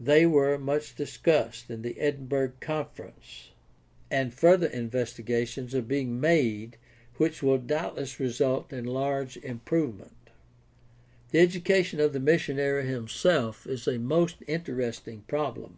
They were much discussed in the Edinburgh Conference, and 636 GUIDE TO STUDY OF CHRISTL\N RELIGION further investigations are being made which will doubtless result in large improvement. The education of the missionary himself is a most interest ing problem.